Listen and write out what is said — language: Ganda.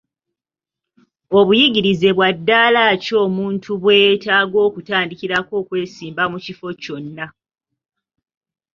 Obuyigirize bwa ddaala ki omuntu bwe yeetaaga okutandikirako okwesimba ku kifo kyonna?